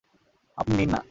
আপনি নিন না।